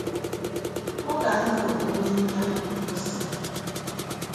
Bo ka ŋgə vum ni nnyaʼ bɨsɨŋ.